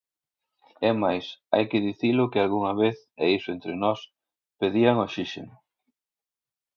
É máis, hai que dicilo que algunha vez, e iso entre nós: pedían oxíxeno.